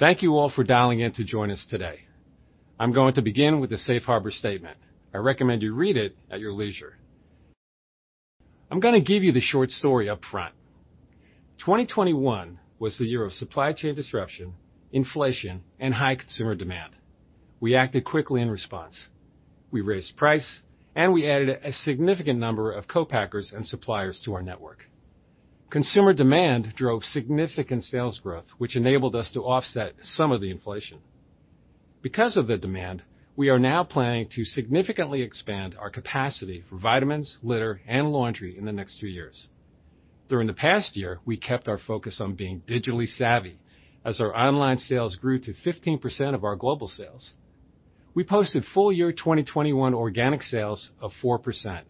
Thank you all for dialing in to join us today. I'm going to begin with the Safe Harbor statement. I recommend you read it at your leisure. I'm gonna give you the short story up front. 2021 was the year of supply chain disruption, inflation, and high consumer demand. We acted quickly in response. We raised price, and we added a significant number of co-packers and suppliers to our network. Consumer demand drove significant sales growth, which enabled us to offset some of the inflation. Because of the demand, we are now planning to significantly expand our capacity for vitamins, litter, and laundry in the next 2 years. During the past year, we kept our focus on being digitally savvy as our online sales grew to 15% of our global sales. We posted full year 2021 organic sales of 4%,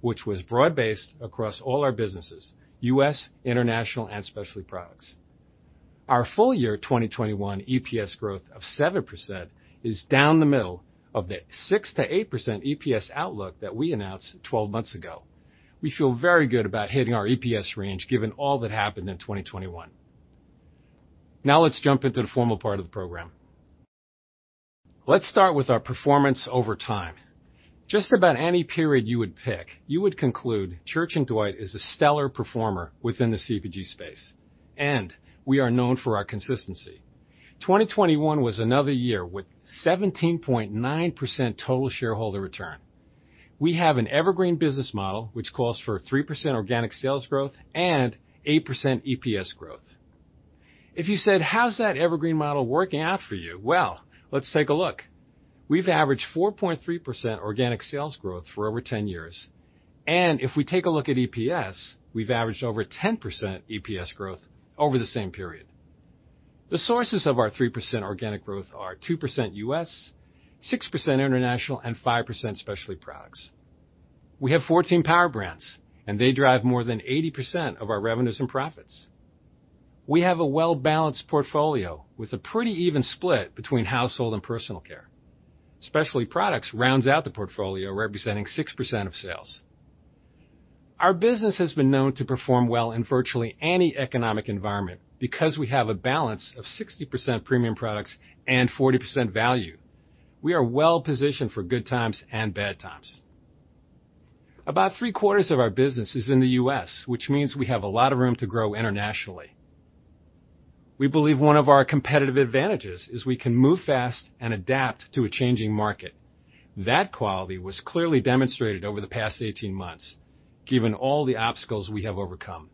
which was broad-based across all our businesses, U.S., International, and Specialty Products. Our full year 2021 EPS growth of 7% is down the middle of the 6%-8% EPS outlook that we announced 12 months ago. We feel very good about hitting our EPS range given all that happened in 2021. Now let's jump into the formal part of the program. Let's start with our performance over time. Just about any period you would pick, you would conclude Church & Dwight is a stellar performer within the CPG space, and we are known for our consistency. 2021 was another year with 17.9% total shareholder return. We have an evergreen business model which calls for 3% organic sales growth and 8% EPS growth. If you said, "How's that evergreen model working out for you?" Well, let's take a look. We've averaged 4.3% organic sales growth for over 10 years, and if we take a look at EPS, we've averaged over 10% EPS growth over the same period. The sources of our 3% organic growth are 2% U.S., 6% International, and 5% Specialty Products. We have 14 power brands, and they drive more than 80% of our revenues and profits. We have a well-balanced portfolio with a pretty even split between household and personal care. Specialty Products rounds out the portfolio, representing 6% of sales. Our business has been known to perform well in virtually any economic environment because we have a balance of 60% premium products and 40% value. We are well positioned for good times and bad times. About three-quarters of our business is in the U.S., which means we have a lot of room to grow internationally. We believe one of our competitive advantages is we can move fast and adapt to a changing market. That quality was clearly demonstrated over the past 18 months, given all the obstacles we have overcome.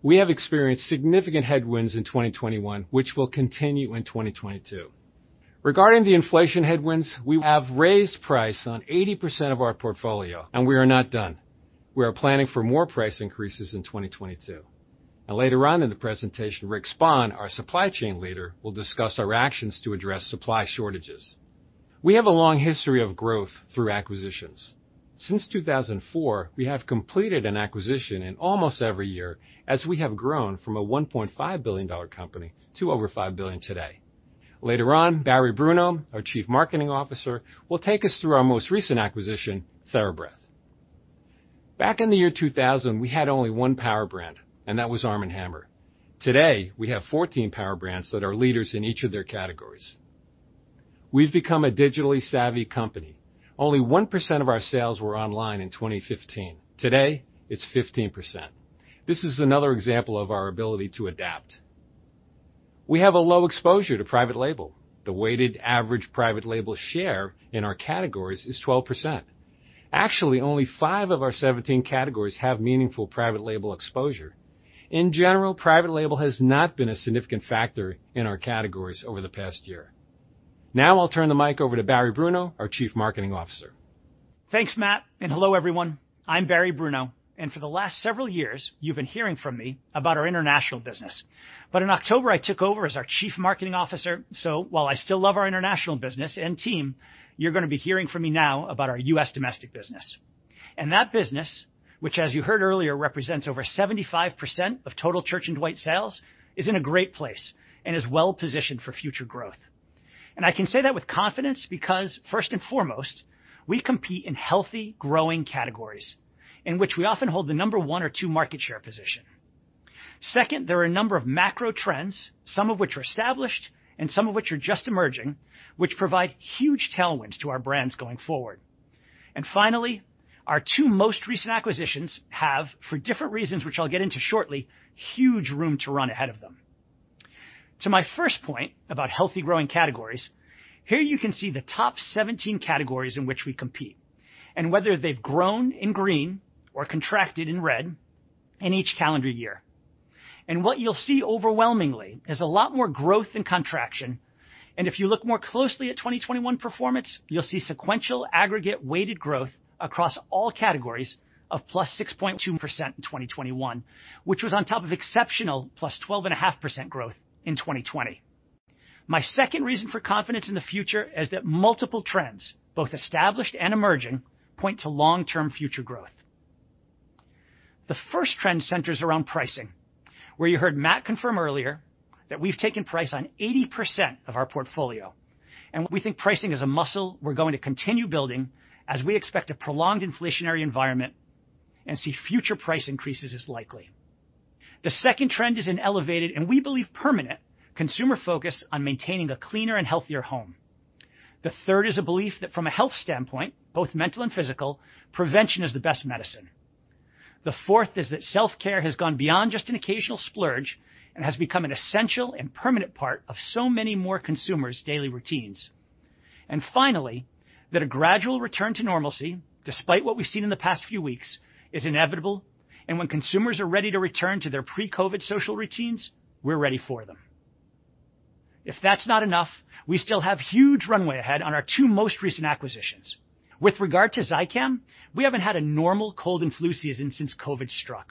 We have experienced significant headwinds in 2021, which will continue in 2022. Regarding the inflation headwinds, we have raised price on 80% of our portfolio, and we are not done. We are planning for more price increases in 2022. Later on in the presentation, Rick Spann, our supply chain leader, will discuss our actions to address supply shortages. We have a long history of growth through acquisitions. Since 2004, we have completed an acquisition in almost every year as we have grown from a $1.5 billion company to over $5 billion today. Later on, Barry Bruno, our Chief Marketing Officer, will take us through our most recent acquisition, TheraBreath. Back in the year 2000, we had only one power brand, and that was ARM & HAMMER. Today, we have 14 power brands that are leaders in each of their categories. We've become a digitally savvy company. Only 1% of our sales were online in 2015. Today, it's 15%. This is another example of our ability to adapt. We have a low exposure to private label. The weighted average private label share in our categories is 12%. Actually, only five of our 17 categories have meaningful private label exposure. In general, private label has not been a significant factor in our categories over the past year. Now I'll turn the mic over to Barry Bruno, our Chief Marketing Officer. Thanks, Matt, and hello, everyone. I'm Barry Bruno, and for the last several years, you've been hearing from me about our International business. In October, I took over as our Chief Marketing Officer, so while I still love our International business and team, you're gonna be hearing from me now about our U.S. Domestic business. That business, which as you heard earlier, represents over 75% of total Church & Dwight sales, is in a great place and is well positioned for future growth. I can say that with confidence because, first and foremost, we compete in healthy, growing categories in which we often hold the number one or two market share position. Second, there are a number of macro trends, some of which are established and some of which are just emerging, which provide huge tailwinds to our brands going forward. Finally, our two most recent acquisitions have, for different reasons which I'll get into shortly, huge room to run ahead of them. To my first point about healthy, growing categories, here you can see the top 17 categories in which we compete, and whether they've grown in green or contracted in red in each calendar year. What you'll see overwhelmingly is a lot more growth than contraction, and if you look more closely at 2021 performance, you'll see sequential aggregate weighted growth across all categories of +6.2% in 2021, which was on top of exceptional +12.5% growth in 2020. My second reason for confidence in the future is that multiple trends, both established and emerging, point to long-term future growth. The first trend centers around pricing, where you heard Matt confirm earlier that we've taken price on 80% of our portfolio, and we think pricing is a muscle we're going to continue building as we expect a prolonged inflationary environment and see future price increases as likely. The second trend is an elevated, and we believe permanent, consumer focus on maintaining a cleaner and healthier home. The third is a belief that from a health standpoint, both mental and physical, prevention is the best medicine. The fourth is that self-care has gone beyond just an occasional splurge and has become an essential and permanent part of so many more consumers' daily routines. Finally, that a gradual return to normalcy, despite what we've seen in the past few weeks, is inevitable, and when consumers are ready to return to their pre-COVID social routines, we're ready for them. If that's not enough, we still have huge runway ahead on our two most recent acquisitions. With regard to Zicam, we haven't had a normal cold and flu season since COVID struck.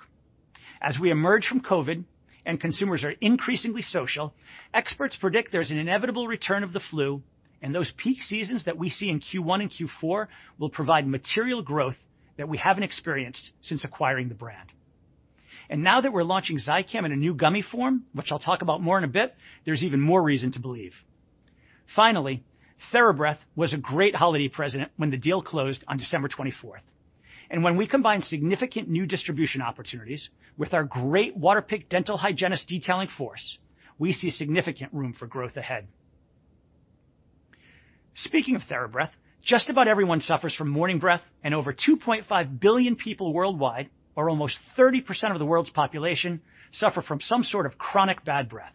As we emerge from COVID, and consumers are increasingly social, experts predict there's an inevitable return of the flu, and those peak seasons that we see in Q1 and Q4 will provide material growth that we haven't experienced since acquiring the brand. Now that we're launching Zicam in a new gummy form, which I'll talk about more in a bit, there's even more reason to believe. Finally, TheraBreath was a great holiday present when the deal closed on December 24th. When we combine significant new distribution opportunities with our great Waterpik dental hygienist detailing force, we see significant room for growth ahead. Speaking of TheraBreath, just about everyone suffers from morning breath, and over 2.5 billion people worldwide, or almost 30% of the world's population, suffer from some sort of chronic bad breath.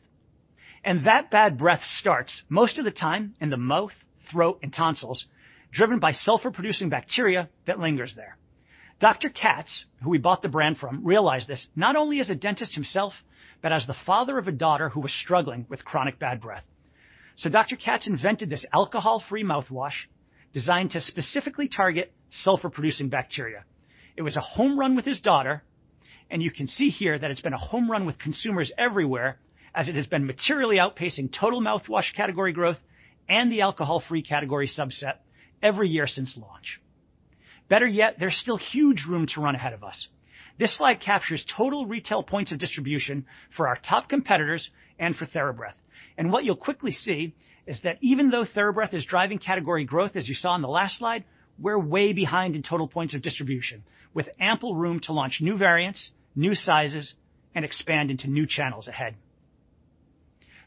That bad breath starts most of the time in the mouth, throat, and tonsils, driven by sulfur-producing bacteria that lingers there. Dr. Katz, who we bought the brand from, realized this not only as a dentist himself, but as the father of a daughter who was struggling with chronic bad breath. Dr. Katz invented this alcohol-free mouthwash designed to specifically target sulfur-producing bacteria. It was a home run with his daughter, and you can see here that it's been a home run with consumers everywhere as it has been materially outpacing total mouthwash category growth and the alcohol-free category subset every year since launch. Better yet, there's still huge room to run ahead of us. This slide captures total retail points of distribution for our top competitors and for TheraBreath. What you'll quickly see is that even though TheraBreath is driving category growth, as you saw in the last slide, we're way behind in total points of distribution, with ample room to launch new variants, new sizes, and expand into new channels ahead.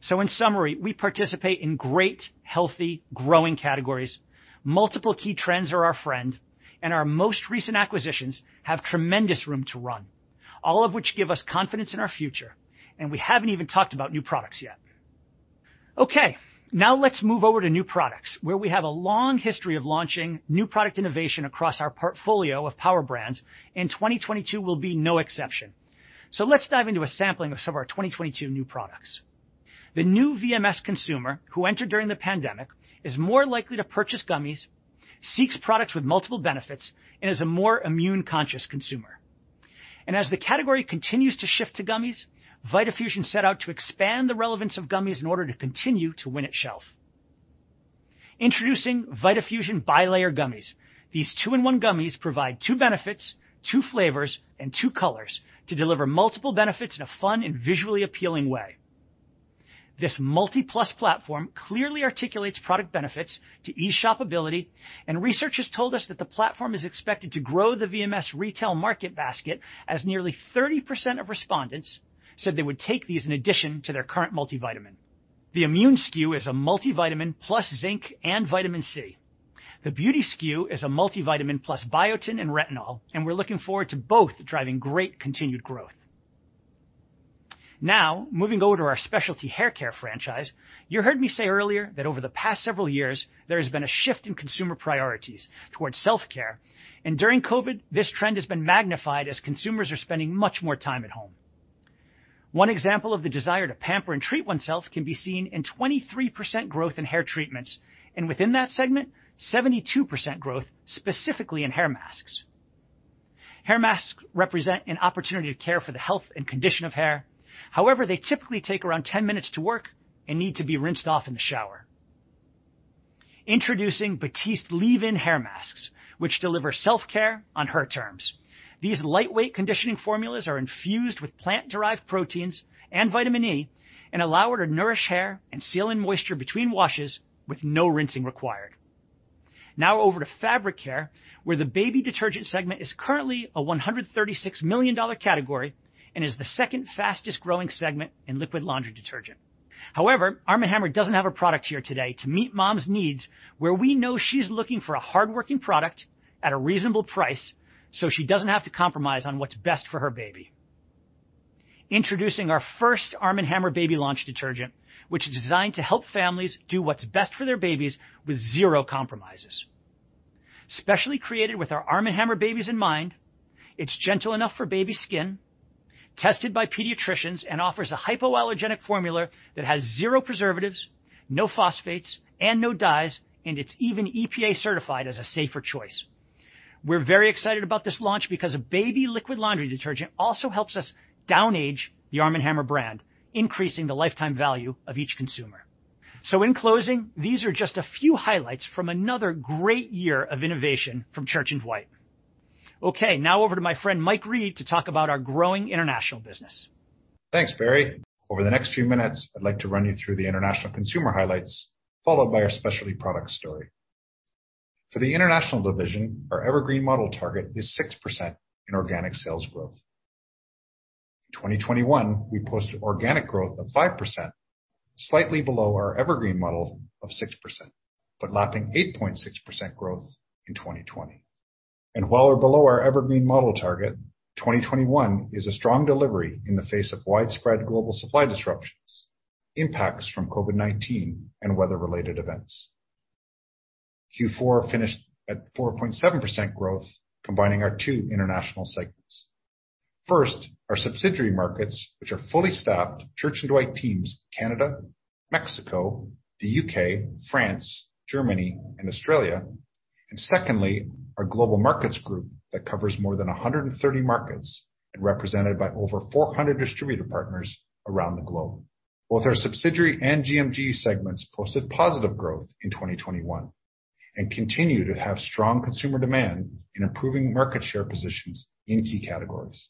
In summary, we participate in great, healthy, growing categories. Multiple key trends are our friend, and our most recent acquisitions have tremendous room to run, all of which give us confidence in our future, and we haven't even talked about new products yet. Okay, now let's move over to new products, where we have a long history of launching new product innovation across our portfolio of power brands, and 2022 will be no exception. Let's dive into a sampling of some of our 2022 new products. The new VMS consumer who entered during the pandemic is more likely to purchase gummies, seeks products with multiple benefits, and is a more immune-conscious consumer. As the category continues to shift to gummies, VitaFusion set out to expand the relevance of gummies in order to continue to win at shelf. Introducing VitaFusion bilayer gummies. These two-in-one gummies provide two benefits, two flavors, and two colors to deliver multiple benefits in a fun and visually appealing way. This multi-plus platform clearly articulates product benefits and enhances shopability, and research has told us that the platform is expected to grow the VMS retail market basket as nearly 30% of respondents said they would take these in addition to their current multivitamin. The immune SKU is a multivitamin plus zinc and vitamin C. The beauty SKU is a multivitamin plus biotin and retinol, and we're looking forward to both driving great continued growth. Now, moving over to our specialty hair care franchise, you heard me say earlier that over the past several years, there has been a shift in consumer priorities towards self-care. During COVID, this trend has been magnified as consumers are spending much more time at home. One example of the desire to pamper and treat oneself can be seen in 23% growth in hair treatments, and within that segment, 72% growth specifically in hair masks. Hair masks represent an opportunity to care for the health and condition of hair. However, they typically take around 10 minutes to work and need to be rinsed off in the shower. Introducing Batiste leave-in hair masks, which deliver self-care on her terms. These lightweight conditioning formulas are infused with plant-derived proteins and vitamin E and allow her to nourish hair and seal in moisture between washes with no rinsing required. Now over to fabric care, where the baby detergent segment is currently a $136 million category and is the second fastest-growing segment in liquid laundry detergent. However, ARM & HAMMER doesn't have a product here today to meet mom's needs, where we know she's looking for a hardworking product at a reasonable price, so she doesn't have to compromise on what's best for her baby. Introducing our first ARM & HAMMER baby laundry detergent, which is designed to help families do what's best for their babies with zero compromises. Specially created with our ARM & HAMMER babies in mind, it's gentle enough for baby skin, tested by pediatricians, and offers a hypoallergenic formula that has zero preservatives, no phosphates, and no dyes, and it's even EPA certified as a safer choice. We're very excited about this launch because a baby liquid laundry detergent also helps us de-age the ARM & HAMMER brand, increasing the lifetime value of each consumer. In closing, these are just a few highlights from another great year of innovation from Church & Dwight. Okay, now over to my friend Mike Read to talk about our growing International business. Thanks, Barry. Over the next few minutes, I'd like to run you through the International consumer highlights, followed by our Specialty Products story. For the International division, our evergreen model target is 6% in organic sales growth. In 2021, we posted organic growth of 5%, slightly below our evergreen model of 6%, but lapping 8.6% growth in 2020. While we're below our evergreen model target, 2021 is a strong delivery in the face of widespread global supply disruptions, impacts from COVID-19, and weather-related events. Q4 finished at 4.7% growth, combining our two International segments. First, our subsidiary markets, which are fully staffed Church & Dwight teams, Canada, Mexico, the U.K., France, Germany, and Australia. Secondly, our global markets group that covers more than 130 markets and represented by over 400 distributor partners around the globe. Both our subsidiary and GMG segments posted positive growth in 2021 and continue to have strong consumer demand in improving market share positions in key categories.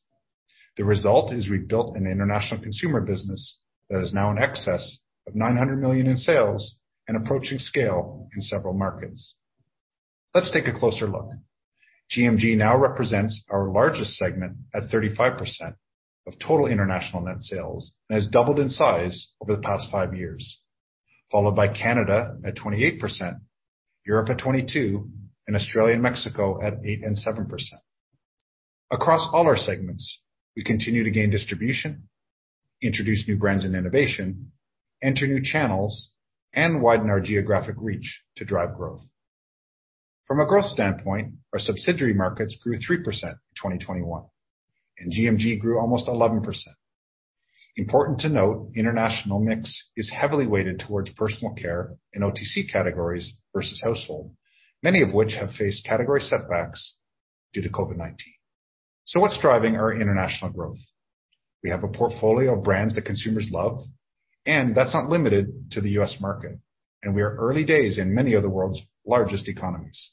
The result has rebuilt an International consumer business that is now in excess of $900 million in sales and approaching scale in several markets. Let's take a closer look. GMG now represents our largest segment at 35% of total International net sales and has doubled in size over the past five years, followed by Canada at 28%, Europe at 22%, and Australia and Mexico at 8% and 7%. Across all our segments, we continue to gain distribution, introduce new brands and innovation, enter new channels, and widen our geographic reach to drive growth. From a growth standpoint, our subsidiary markets grew 3% in 2021, and GMG grew almost 11%. Important to note, International mix is heavily weighted towards personal care in OTC categories versus household, many of which have faced category setbacks due to COVID-19. What's driving our International growth? We have a portfolio of brands that consumers love, and that's not limited to the U.S. market, and we are early days in many of the world's largest economies.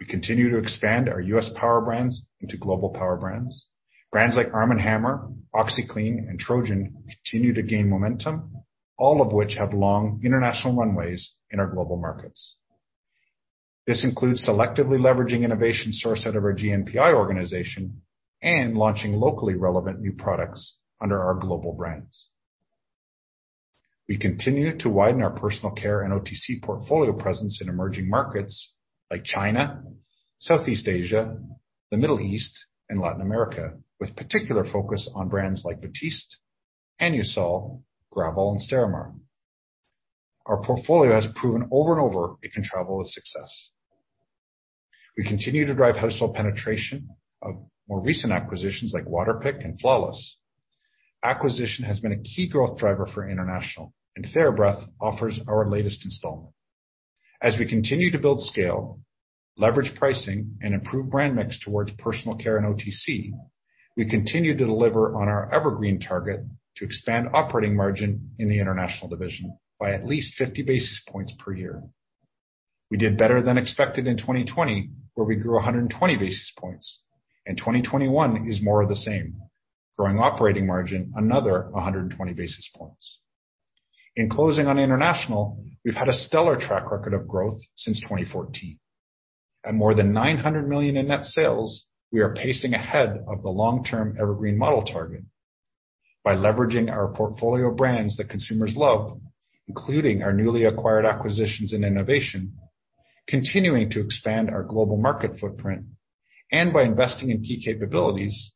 We continue to expand our U.S. power brands into global power brands. Brands like ARM & HAMMER, OxiClean, and Trojan continue to gain momentum, all of which have long international runways in our global markets. This includes selectively leveraging innovation sourced out of our GNPI organization and launching locally relevant new products under our global brands. We continue to widen our personal care and OTC portfolio presence in emerging markets like China, Southeast Asia, the Middle East, and Latin America, with particular focus on brands like Batiste, Anusol, Gravol, and Stérimar. Our portfolio has proven over and over it can travel with success. We continue to drive household penetration of more recent acquisitions like Waterpik and Flawless. Acquisition has been a key growth driver for International, and TheraBreath offers our latest installment. As we continue to build scale, leverage pricing, and improve brand mix towards personal care and OTC, we continue to deliver on our evergreen target to expand operating margin in the International division by at least 50 basis points per year. We did better than expected in 2020, where we grew 120 basis points, and 2021 is more of the same, growing operating margin another 120 basis points. In closing on International, we've had a stellar track record of growth since 2014. At more than $900 million in net sales, we are pacing ahead of the long-term evergreen model target. By leveraging our portfolio brands that consumers love, including our newly acquired acquisitions and innovation, continuing to expand our global market footprint, and by investing in key capabilities,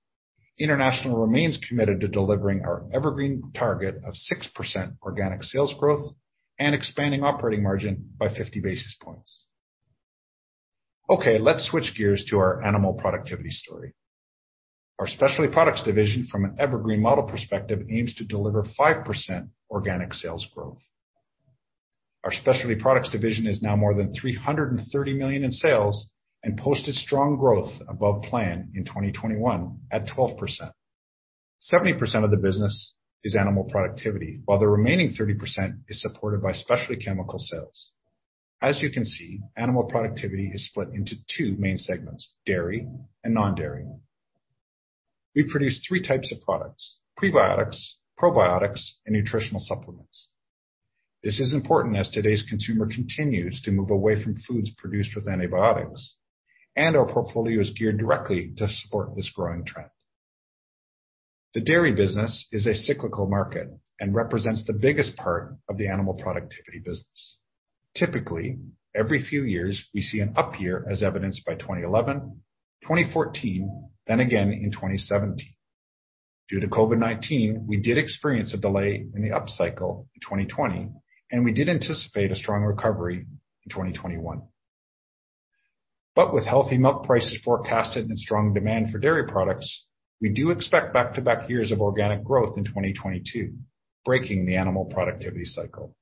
International remains committed to delivering our evergreen target of 6% organic sales growth and expanding operating margin by 50 basis points. Okay, let's switch gears to our animal productivity story. Our Specialty Products division, from an evergreen model perspective, aims to deliver 5% organic sales growth. Our Specialty Products division is now more than $330 million in sales and posted strong growth above plan in 2021 at 12%. 70% of the business is animal productivity, while the remaining 30% is supported by specialty chemical sales. As you can see, animal productivity is split into two main segments, dairy and non-dairy. We produce three types of products, prebiotics, probiotics, and nutritional supplements. This is important as today's consumer continues to move away from foods produced with antibiotics, and our portfolio is geared directly to support this growing trend. The dairy business is a cyclical market and represents the biggest part of the animal productivity business. Typically, every few years, we see an up year as evidenced by 2011, 2014, then again in 2017. Due to COVID-19, we did experience a delay in the upcycle in 2020, and we did anticipate a strong recovery in 2021. With healthy milk prices forecasted and strong demand for dairy products, we do expect back-to-back years of organic growth in 2022, breaking the animal productivity cycle.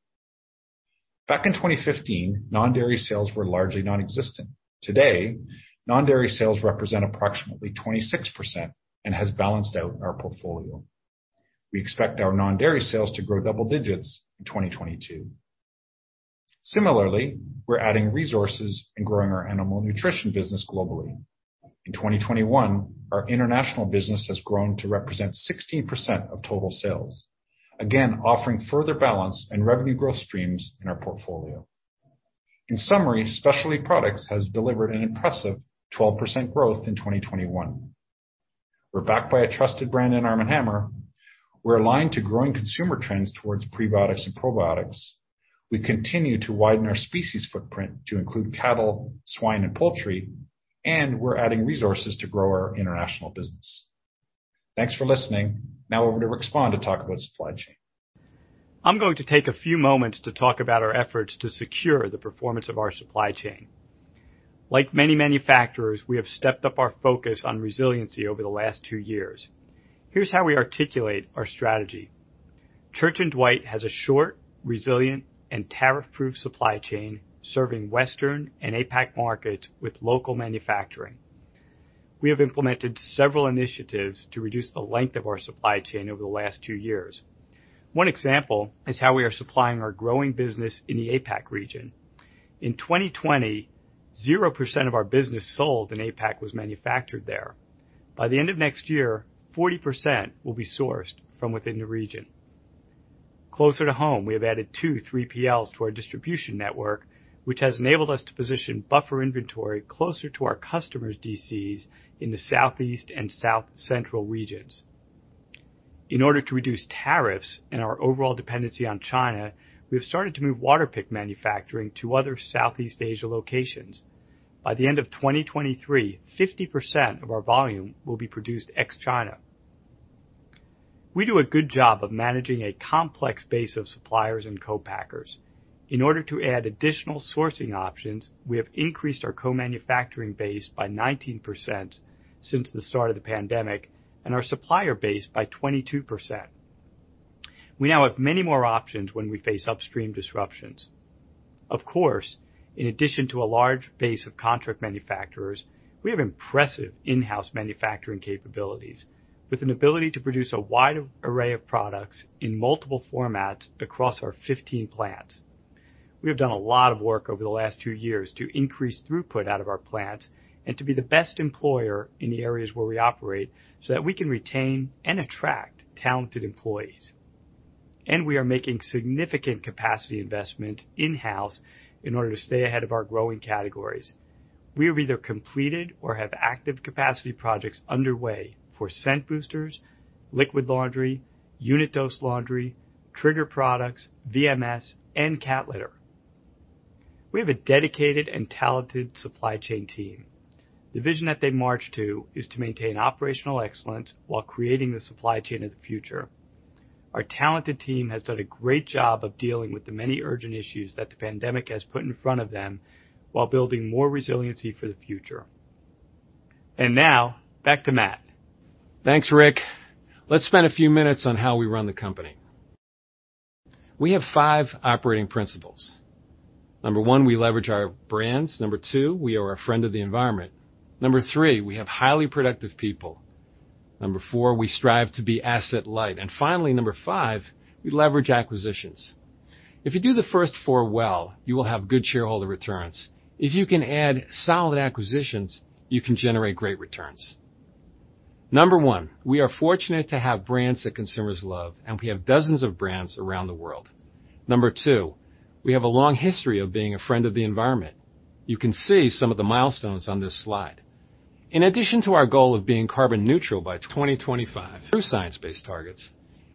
Back in 2015, non-dairy sales were largely nonexistent. Today, non-dairy sales represent approximately 26% and has balanced out in our portfolio. We expect our non-dairy sales to grow double digits in 2022. Similarly, we're adding resources and growing our animal nutrition business globally. In 2021, our International business has grown to represent 16% of total sales. Again, offering further balance and revenue growth streams in our portfolio. In summary, Specialty Products has delivered an impressive 12% growth in 2021. We're backed by a trusted brand in ARM & HAMMER. We're aligned to growing consumer trends towards prebiotics and probiotics. We continue to widen our species footprint to include cattle, swine, and poultry, and we're adding resources to grow our International business. Thanks for listening. Now over to Rick Spann to talk about supply chain. I'm going to take a few moments to talk about our efforts to secure the performance of our supply chain. Like many manufacturers, we have stepped up our focus on resiliency over the last two years. Here's how we articulate our strategy. Church & Dwight has a short, resilient, and tariff-proof supply chain serving Western and APAC markets with local manufacturing. We have implemented several initiatives to reduce the length of our supply chain over the last two years. One example is how we are supplying our growing business in the APAC region. In 2020, 0% of our business sold in APAC was manufactured there. By the end of next year, 40% will be sourced from within the region. Closer to home, we have added two 3PLs to our distribution network, which has enabled us to position buffer inventory closer to our customers' DCs in the southeast and south central regions. In order to reduce tariffs and our overall dependency on China, we have started to move Waterpik manufacturing to other Southeast Asia locations. By the end of 2023, 50% of our volume will be produced ex-China. We do a good job of managing a complex base of suppliers and co-packers. In order to add additional sourcing options, we have increased our co-manufacturing base by 19% since the start of the pandemic, and our supplier base by 22%. We now have many more options when we face upstream disruptions. Of course, in addition to a large base of contract manufacturers, we have impressive in-house manufacturing capabilities with an ability to produce a wide array of products in multiple formats across our 15 plants. We have done a lot of work over the last two years to increase throughput out of our plants and to be the best employer in the areas where we operate so that we can retain and attract talented employees. We are making significant capacity investment in-house in order to stay ahead of our growing categories. We have either completed or have active capacity projects underway for scent boosters, liquid laundry, unit dose laundry, trigger products, VMS, and cat litter. We have a dedicated and talented supply chain team. The vision that they march to is to maintain operational excellence while creating the supply chain of the future. Our talented team has done a great job of dealing with the many urgent issues that the pandemic has put in front of them while building more resiliency for the future. Now, back to Matt. Thanks, Rick. Let's spend a few minutes on how we run the company. We have five operating principles. Number one, we leverage our brands. Number two, we are a friend of the environment. Number three, we have highly productive people. Number four, we strive to be asset light. Finally, number five, we leverage acquisitions. If you do the first four well, you will have good shareholder returns. If you can add solid acquisitions, you can generate great returns. Number one, we are fortunate to have brands that consumers love, and we have dozens of brands around the world. Number two, we have a long history of being a friend of the environment. You can see some of the milestones on this slide. In addition to our goal of being carbon neutral by 2025 through science-based targets,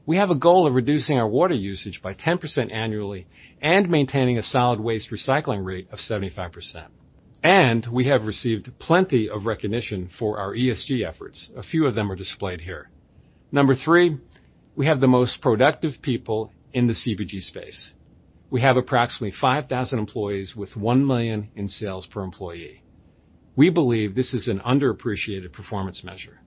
we have a goal of reducing our water usage by 10% annually and maintaining a solid waste recycling rate of 75%. We have received plenty of recognition for our ESG efforts. A few of them are displayed here. Number three, we have the most productive people in the CPG space. We have approximately 5,000 employees with $1 million in sales per employee. We believe this is an underappreciated performance measure.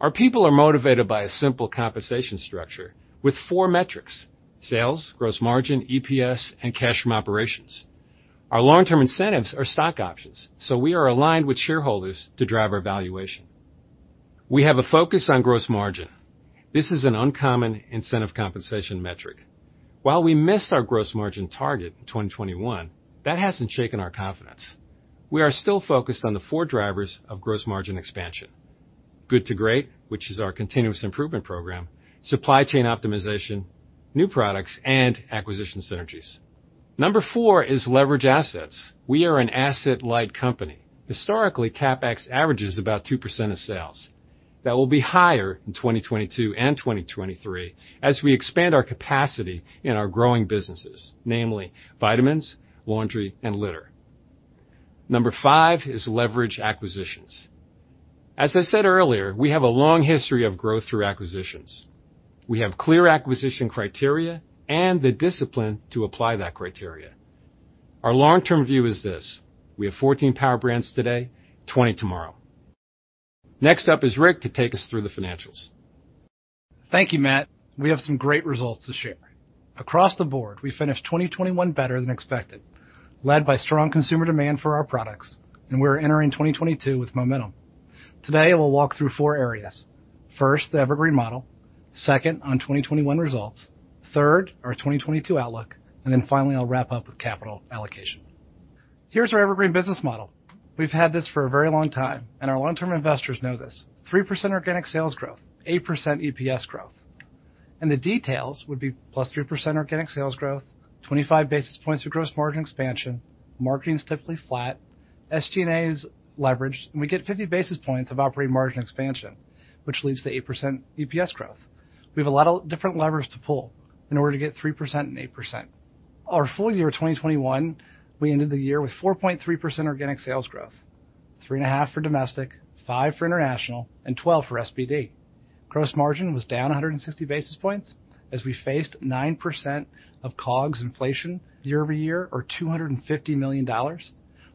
Our people are motivated by a simple compensation structure with four metrics: sales, gross margin, EPS, and cash from operations. Our long-term incentives are stock options, so we are aligned with shareholders to drive our valuation. We have a focus on gross margin. This is an uncommon incentive compensation metric. While we missed our gross margin target in 2021, that hasn't shaken our confidence. We are still focused on the four drivers of gross margin expansion. Good to Great, which is our continuous improvement program, supply chain optimization, new products, and acquisition synergies. Number four is leverage assets. We are an asset-light company. Historically, CapEx averages about 2% of sales. That will be higher in 2022 and 2023 as we expand our capacity in our growing businesses, namely vitamins, laundry, and litter. Number five is leverage acquisitions. As I said earlier, we have a long history of growth through acquisitions. We have clear acquisition criteria and the discipline to apply that criteria. Our long-term view is this. We have 14 power brands today, 20 tomorrow. Next up is Rick to take us through the financials. Thank you, Matt. We have some great results to share. Across the board, we finished 2021 better than expected. Led by strong consumer demand for our products, and we're entering 2022 with momentum. Today, we'll walk through four areas. First, the evergreen model. Second, on 2021 results. Third, our 2022 outlook, and then finally, I'll wrap up with capital allocation. Here's our evergreen business model. We've had this for a very long time, and our long-term investors know this. 3% organic sales growth, 8% EPS growth. The details would be +3% organic sales growth, 25 basis points of gross margin expansion, marketing is typically flat, SG&A is leveraged, and we get 50 basis points of operating margin expansion, which leads to 8% EPS growth. We have a lot of different levers to pull in order to get 3% and 8%. Our full year 2021, we ended the year with 4.3% organic sales growth, 3.5% for Domestic, 5% for International, and 12% for SPD. Gross margin was down 160 basis points as we faced 9% of COGS inflation year-over-year, or $250 million.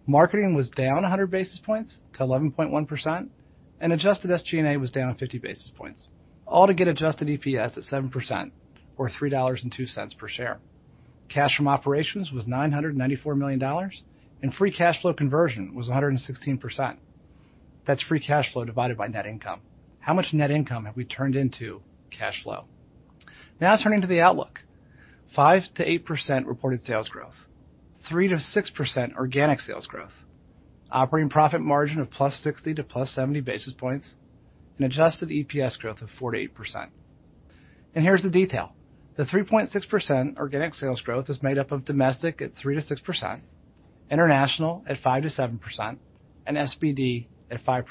Marketing was down 100 basis points to 11.1%, and adjusted SG&A was down 50 basis points, all to get adjusted EPS at 7% or $3.02 per share. Cash from operations was $994 million, and free cash flow conversion was 116%. That's free cash flow divided by net income. How much net income have we turned into cash flow? Now turning to the outlook. 5%-8% reported sales growth, 3%-6% organic sales growth, operating profit margin of +60 to +70 basis points, and adjusted EPS growth of 4%-8%. Here's the detail. The 3.6% organic sales growth is made up of Domestic at 3%-6%, International at 5%-7%, and SPD at 5%.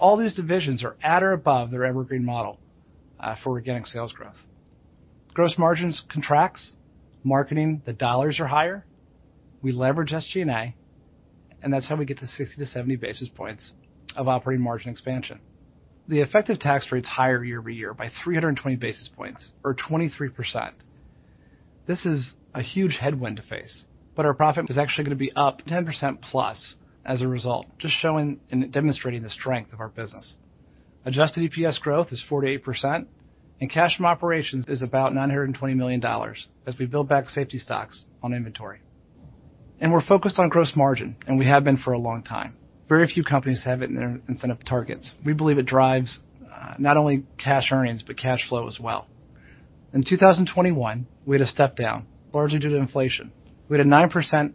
All these divisions are at or above their evergreen model for organic sales growth. Gross margins contracted, marketing dollars are higher. We leverage SG&A, and that's how we get to 60-70 basis points of operating margin expansion. The effective tax rate's higher year-over-year by 320 basis points or 23%. This is a huge headwind to face, but our profit is actually gonna be up 10%+ as a result, just showing and demonstrating the strength of our business. Adjusted EPS growth is 4%-8%, and cash from operations is about $920 million as we build back safety stocks on inventory. We're focused on gross margin, and we have been for a long time. Very few companies have it in their incentive targets. We believe it drives not only cash earnings, but cash flow as well. In 2021, we had a step down, largely due to inflation. We had a 9%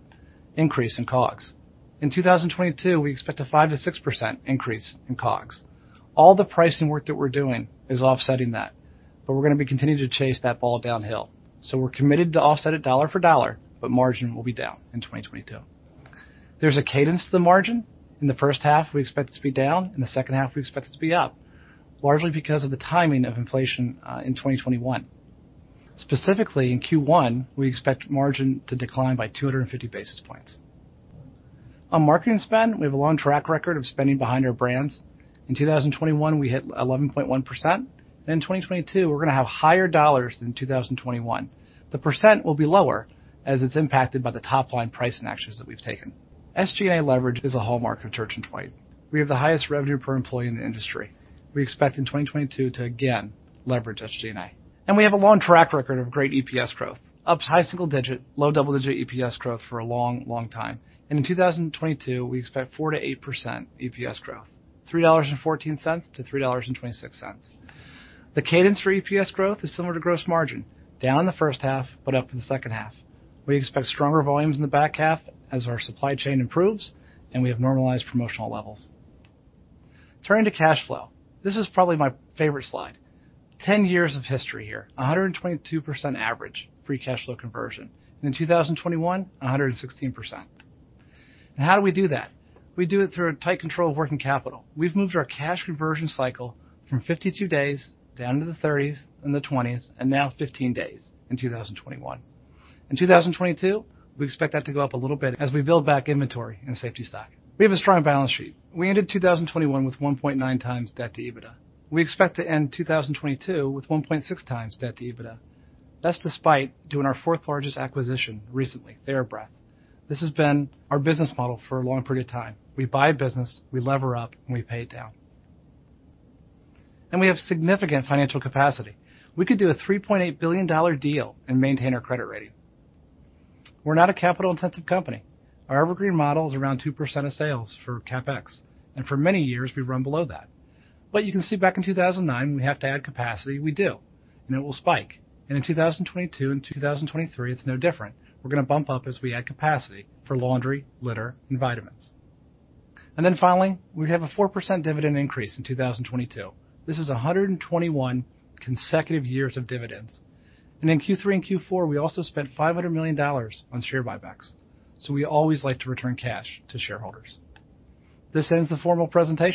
increase in COGS. In 2022, we expect a 5%-6% increase in COGS. All the pricing work that we're doing is offsetting that, but we're gonna be continuing to chase that ball downhill. We're committed to offset it dollar for dollar, but margin will be down in 2022. There's a cadence to the margin. In the first half, we expect it to be down. In the second half, we expect it to be up, largely because of the timing of inflation in 2021. Specifically, in Q1, we expect margin to decline by 250 basis points. On marketing spend, we have a long track record of spending behind our brands. In 2021, we hit 11.1%. In 2022, we're gonna have higher dollars than in 2021. The percent will be lower as it's impacted by the top-line pricing actions that we've taken. SG&A leverage is a hallmark of Church & Dwight. We have the highest revenue per employee in the industry. We expect in 2022 to again leverage SG&A. We have a long track record of great EPS growth, up high single-digit, low double-digit EPS growth for a long, long time. In 2022, we expect 4%-8% EPS growth, $3.14-$3.26. The cadence for EPS growth is similar to gross margin, down in the first half but up in the second half. We expect stronger volumes in the back half as our supply chain improves and we have normalized promotional levels. Turning to cash flow. This is probably my favorite slide. 10 years of history here. 122% average free cash flow conversion. In 2021, 116%. How do we do that? We do it through a tight control of working capital. We've moved our cash conversion cycle from 52 days down to the 30s and the 20s and now 15 days in 2021. In 2022, we expect that to go up a little bit as we build back inventory and safety stock. We have a strong balance sheet. We ended 2021 with 1.9x debt to EBITDA. We expect to end 2022 with 1.6x debt to EBITDA. That's despite doing our fourth largest acquisition recently, TheraBreath. This has been our business model for a long period of time. We buy business, we lever up, and we pay it down. We have significant financial capacity. We could do a $3.8 billion deal and maintain our credit rating. We're not a capital-intensive company. Our evergreen model is around 2% of sales for CapEx, and for many years, we've run below that. You can see back in 2009, when we have to add capacity, we do, and it will spike. In 2022 and 2023, it's no different. We're gonna bump up as we add capacity for laundry, litter, and vitamins. Then finally, we have a 4% dividend increase in 2022. This is 121 consecutive years of dividends. In Q3 and Q4, we also spent $500 million on share buybacks. We always like to return cash to shareholders. This ends the formal presentation.